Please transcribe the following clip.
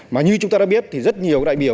mà như chúng ta đã biết thì rất nhiều đại biểu